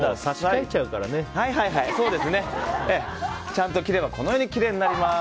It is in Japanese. ちゃんと切ればこのようにきれいになります。